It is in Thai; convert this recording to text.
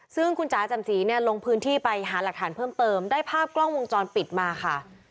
ซึ่งคุณจ๋าจำสีเนี่ยลงพื้นที่ไปหาหลักฐานเพิ่มเติมได้ภาพกล้องวงจรปิดมาค่ะ